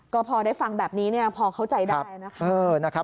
ก็พอได้ฟังแบบนี้พอเข้าใจได้นะคะ